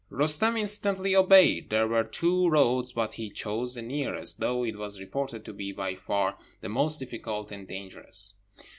Roostem instantly obeyed. There were two roads, but he chose the nearest, though it was reported to be by far the most difficult and dangerous.